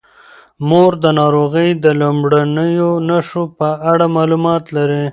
مور د ناروغۍ د لومړنیو نښو په اړه معلومات لري.